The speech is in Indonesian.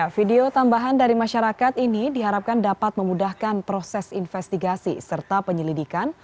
video tambahan dari masyarakat ini diharapkan dapat memudahkan proses investigasi serta penyelidikan